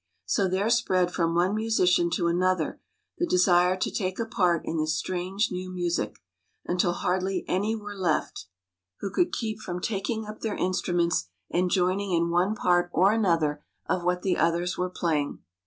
So there spread from one musician to another the desire to take a part in this strange new music, until hardly any were left 87 THE PALACE MADE BY MUSIC * who could keep from taking up their instruments and joining in one part or another of what the others were playing.